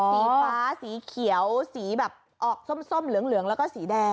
สีฟ้าสีเขียวสีแบบออกส้มเหลืองแล้วก็สีแดง